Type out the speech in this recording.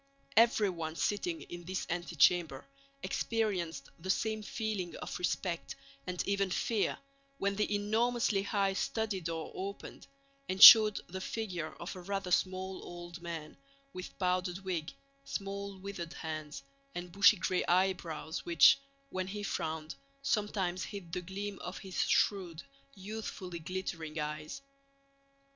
Everyone sitting in this antechamber experienced the same feeling of respect and even fear when the enormously high study door opened and showed the figure of a rather small old man, with powdered wig, small withered hands, and bushy gray eyebrows which, when he frowned, sometimes hid the gleam of his shrewd, youthfully glittering eyes.